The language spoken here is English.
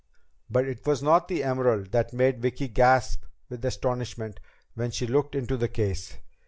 But it was not the emerald that made Vicki gasp with astonishment when she looked into the case.